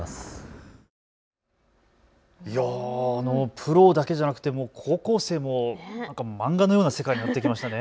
プロだけじゃなくて高校生も漫画のような世界になってきましたね。